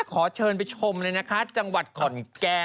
ขอเชิญไปชมเลยนะคะจังหวัดขอนแกน